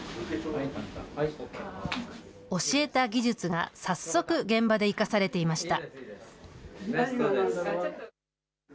教えた技術が早速、現場で生かされていました。